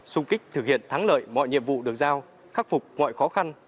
xung kích thực hiện thắng lợi mọi nhiệm vụ được giao khắc phục mọi khó khăn